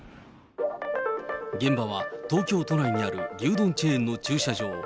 現場は東京都内にある牛丼チェーンの駐車場。